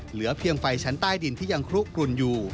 เหลือเพียงไฟชั้นใต้ดินที่ยังคลุกลุ่นอยู่